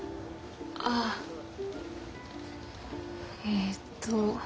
ああえっと。